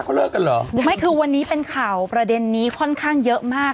เขาเลิกกันเหรอไม่คือวันนี้เป็นข่าวประเด็นนี้ค่อนข้างเยอะมาก